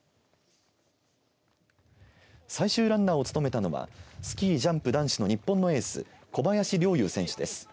最終ランナーを務めたのはスキージャンプ男子の日本のエース小林陵侑選手です。